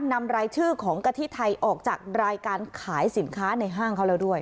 นำรายชื่อของกะทิไทยออกจากรายการขายสินค้าในห้างเขาแล้วด้วย